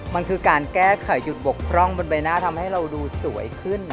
มันคือการแก้ไขหยุดบกพร่องบนใบหน้าทำให้เราดูสวยขึ้น